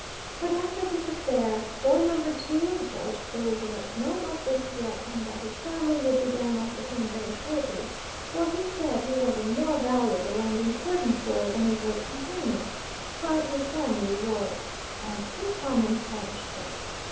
But after this affair boy number two judged there was no more safety yet, and that his family would be down after him very shortly; for he said he was a more valuable and important boy than his late companion, but his family were an uncommon savage set.